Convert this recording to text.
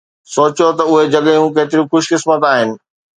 سوچيو ته اهي جڳهون ڪيتريون خوش قسمت آهن